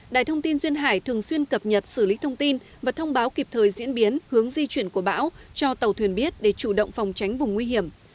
đài thông tin duyên hải thường xuyên cập nhật xử lý thông tin và thông báo kịp thời diễn biến hướng di chuyển của bão cho tàu thuyền biết để chủ động phòng tránh vùng nguy hiểm